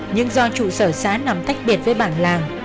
nhưng do trụ sở xã nằm tách biệt với bản làng